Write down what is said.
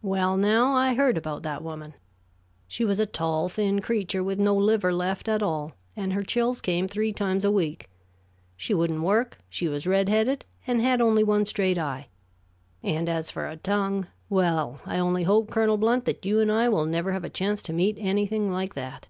"Well, now, I heard about that woman. She was a tall, thin creature, with no liver left at all, and her chills came three times a week. She wouldn't work; she was red headed and had only one straight eye; and as for a tongue well, I only hope, Colonel Blount, that you and I will never have a chance to meet anything like that.